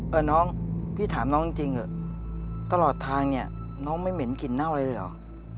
เออน้องพี่ถามน้องจริงเถอะตลอดทางเนี่ยน้องไม่เหม็นกลิ่นเน่าอะไรเลยเหรอ